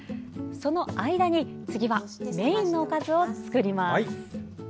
その間に次はメインのおかずを作ります。